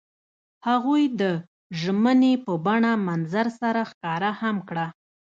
هغوی د ژمنې په بڼه منظر سره ښکاره هم کړه.